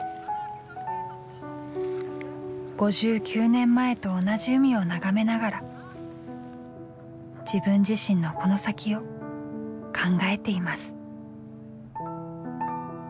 ５９年前と同じ海を眺めながら自分自身のこの先を考えています。